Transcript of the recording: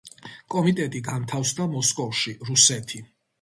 კომიტეტი განთავსდა მოსკოვში, რუსეთი.